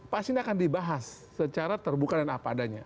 pasti ini akan dibahas secara terbuka dan apa adanya